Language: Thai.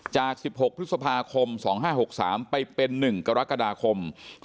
จาก๑๖พฤษภาคม๒๕๖๓ไปเป็น๑กรกฎาคม๒๕๖